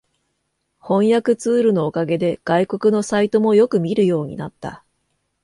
翻訳ツールのおかげで外国のサイトもよく見るようになった